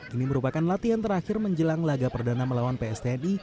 ini merupakan latihan terakhir menjelang laga perdana melawan pstni